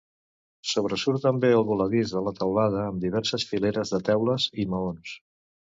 Sobresurt també el voladís de la teulada amb diverses fileres de teules i maons.